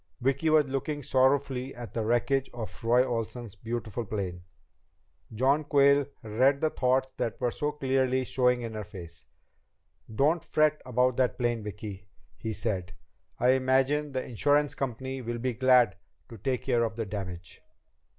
Vicki was looking sorrowfully at the wreckage of Roy Olsen's beautiful plane. John Quayle read the thoughts that were so clearly showing in her face. "Don't fret about that plane, Vicki," he said. "I imagine the insurance company will be glad to take care of the damage."